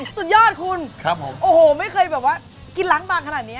สุดยอดคุณครับผมโอ้โหไม่เคยแบบว่ากินล้างบางขนาดนี้